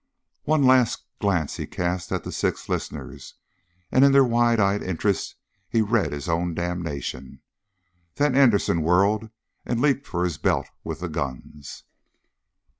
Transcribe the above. One last glance he cast at the six listeners, and in their wide eyed interest he read his own damnation. Then Anderson whirled and leaped for his belt with the guns.